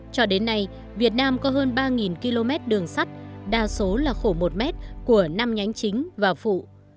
cho đến nay việt nam có hơn ba km đường sắt đa số là khổ một mét của năm nhánh chính và phụ